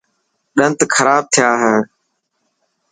ڏنت کراب ٿيا هي.